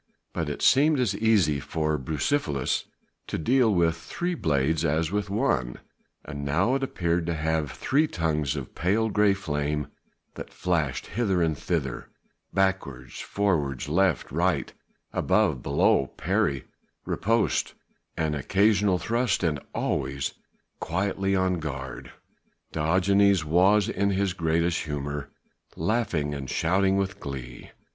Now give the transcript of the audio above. But it seemed as easy for Bucephalus to deal with three blades as with one: now it appeared to have three tongues of pale grey flame that flashed hither and thither backwards, forwards, left, right, above, below, parry, riposte, an occasional thrust, and always quietly on guard. Diogenes was in his greatest humour laughing and shouting with glee.